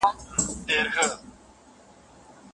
نښانې یې د خپل مرګ پکښي لیدلي